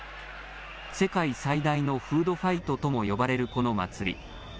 世界最大のフードファイトとも呼ばれるこの祭り。